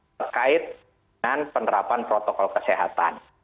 terkait dengan penerapan protokol kesehatan